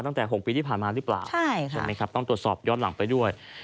ตั้งแต่๖ปีที่ผ่านมาหรือเปล่าใช่ไหมครับต้องตรวจสอบย้อนหลังไปด้วย